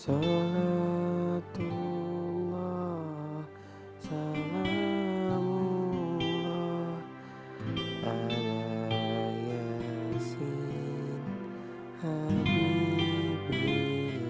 sholatullah salamullah ala yasin habibie